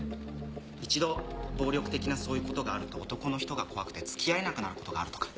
一度暴力的なそういうことがあると男の人が怖くて付き合えなくなることがあるとか。